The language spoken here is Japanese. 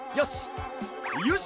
よし！